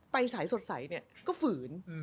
ไปสายสดใสก็ฝืน